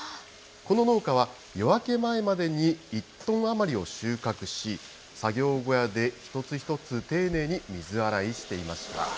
この農家は、夜明け前までに１トン余りを収穫し、作業小屋でひとつひとつ丁寧に水洗いしていました。